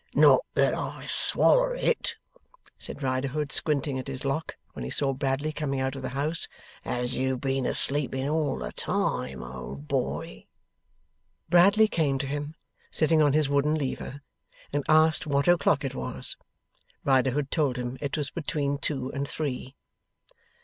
'Not that I swaller it,' said Riderhood, squinting at his Lock, when he saw Bradley coming out of the house, 'as you've been a sleeping all the time, old boy!' Bradley came to him, sitting on his wooden lever, and asked what o'clock it was? Riderhood told him it was between two and three.